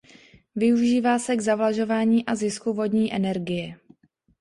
Využívá se k zavlažování a zisku vodní energie.